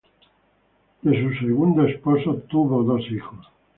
De su segundo esposo nacieron dos hijos.